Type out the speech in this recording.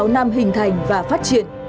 bảy mươi sáu năm hình thành và phát triển